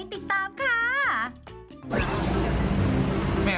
ผมรู้ได้